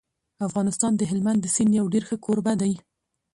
افغانستان د هلمند د سیند یو ډېر ښه کوربه دی.